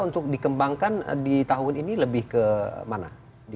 untuk dikembangkan di tahun ini lebih kemana